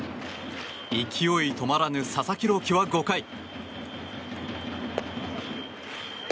勢い止まらぬ佐々木朗希は５回。